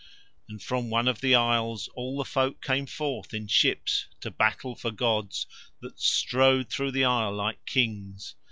And from one of the isles all the folk came forth in ships to battle for gods that strode through the isle like kings.